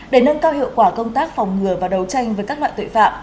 để nâng cao hiệu quả công tác phòng ngừa và đấu tranh với các loại tội phạm